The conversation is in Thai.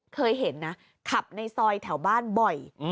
เคยเห็นนะขับในซอยแถวบ้านบ่อย